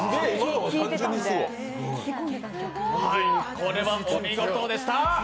これはお見事でした。